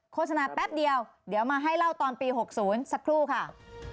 โฆษณาแป๊บเดียวเดี๋ยวมาให้เล่าตอนปี๖๐สักครู่ค่ะ